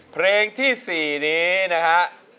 เพลงที่๔นี้นะฮะ